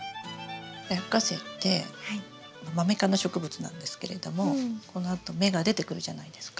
ラッカセイってマメ科の植物なんですけれどもこのあと芽が出てくるじゃないですか。